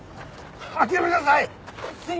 諦めなさい！